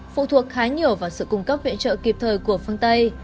phụ thuộc khá nhiều vào sự cung cấp viện trợ kịp thời của phương tây